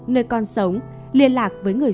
nơi con sống liên lạc với người